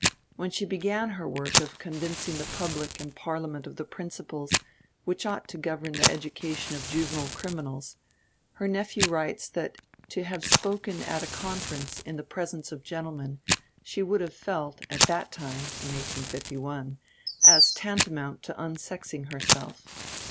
When she began her work of convincing the public and Parliament of the principles which ought to govern the education of juvenile criminals, her nephew writes that to have spoken at a conference in the presence of gentlemen, she would have felt, at that time (1851), as tantamount to unsexing herself.